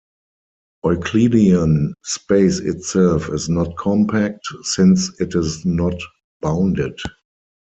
Euclidean space itself is not compact since it is not bounded.